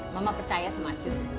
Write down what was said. mama percaya sama acun